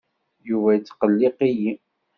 Yuba yettqelliq-iyi.